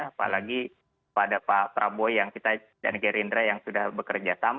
apalagi pada pak prabowo yang kita dan gerindra yang sudah bekerja sama